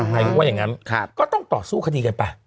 นายกว่าอย่างนั้นก็ต้องต่อสู้คดีกันไป